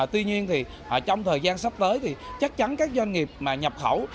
tuy nhiên trong thời gian sắp tới chắc chắn các doanh nghiệp mà nhập khẩu